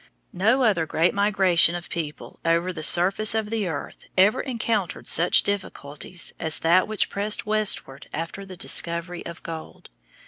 No other great migration of people over the surface of the earth ever encountered such difficulties as that which pressed westward after the discovery of gold.